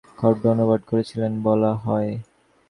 তিনি ভাগবত এর পঞ্চম এবং ষষ্ঠ খণ্ড অনুবাদ করেছিলেন বলা হয়।